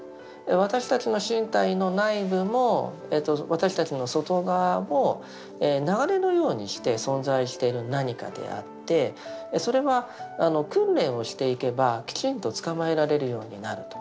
私たちの身体の内部も私たちの外側も流れのようにして存在している何かであってそれは訓練をしていけばきちんとつかまえられるようになると。